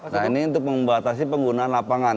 nah ini untuk membatasi penggunaan lapangan